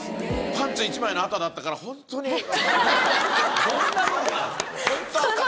パンツ１枚のあとだったから本当に。